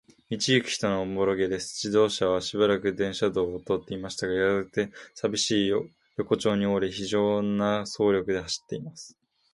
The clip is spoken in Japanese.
道ゆく人もおぼろげです。自動車はしばらく電車道を通っていましたが、やがて、さびしい横町に折れ、ひじょうな速力で走っています。